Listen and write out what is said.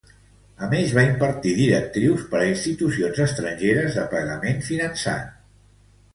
A més, va impartir directrius per a institucions estrangeres de pagament finançat.